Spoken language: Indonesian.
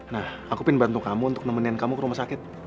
nah aku ingin bantu kamu untuk nemenin kamu ke rumah sakit